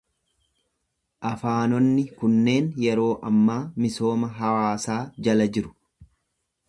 Afaanonni kunneen yeroo ammaa misooma hawaasaa jala jiru.